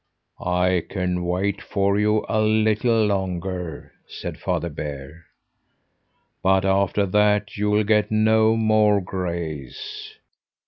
"I can wait for you a little longer," said Father Bear. "But after that you'll get no more grace.